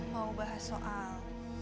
mau bahas soal